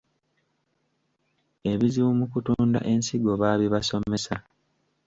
Ebizibu mu kutunda ensigo baabibasomesa.